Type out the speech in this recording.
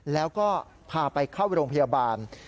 แล้วก็พาไปเข้าโรงพยาบาล